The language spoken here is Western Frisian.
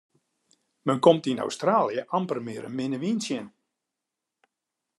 Men komt yn Australië amper mear in minne wyn tsjin.